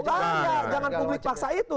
jangan publik paksa itu